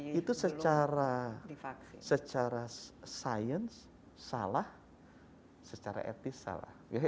afrika enggak itu secara science salah secara etis salah